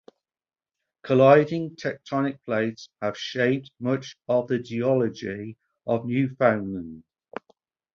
Colliding tectonic plates have shaped much of the geology of Newfoundland.